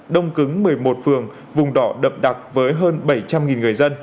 đông cứng một mươi một phường vùng đỏ đập đặc với hơn bảy trăm linh người dân